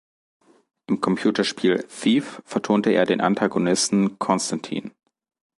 Im Computerspiel "Thief" vertonte er den Antagonisten Constantine.